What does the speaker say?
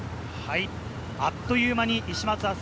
あっという間に石松愛朱